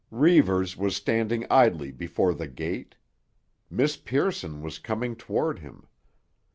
Reivers was standing idly before the gate. Miss Pearson was coming toward him.